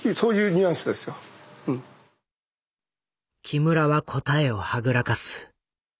木村は答えをはぐらかす。